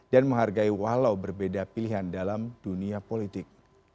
dan menghargai walau berbeda pilihan dalam dunia politik